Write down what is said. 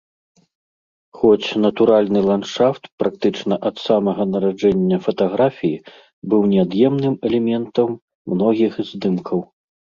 Хоць натуральны ландшафт практычна ад самага нараджэння фатаграфіі быў неад'емным элементам многіх здымкаў.